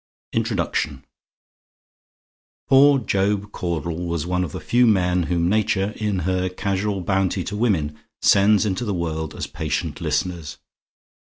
INTRODUCTION Poor Job Caudle was one of the few men whom Nature, in her casual bounty to women, sends into the world as patient listeners.